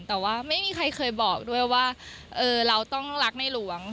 แต่ว่าไม่มีใครเคยบอกด้วยว่าเราต้องรักในหลวง